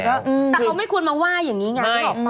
แต่เขาไม่ควรมาว่าอย่างนี้ไง